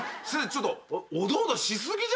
ちょっとおどおどし過ぎじゃないっすか？